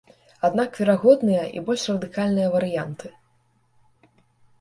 Аднак верагодныя і больш радыкальныя варыянты.